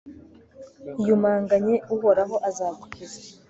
iyumanganye, uhoraho azagukiza